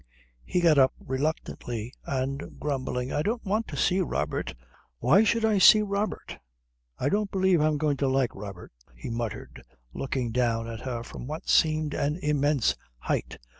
He got up reluctantly and grumbling: "I don't want to see Robert. Why should I see Robert? I don't believe I'm going to like Robert," he muttered, looking down at her from what seemed an immense height.